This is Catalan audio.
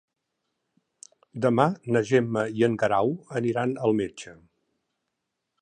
Demà na Gemma i en Guerau aniran al metge.